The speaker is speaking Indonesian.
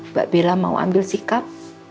mbak bila mau ambil sikap